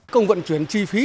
công vận chuyển chi phí